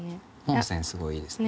盲選すごいいいですね。